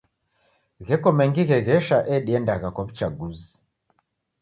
Gheko mengi gheghesha ediandagha kwa w'uchagizi.